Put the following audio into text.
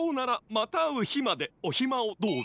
またあうひまでおひまをどうぞ。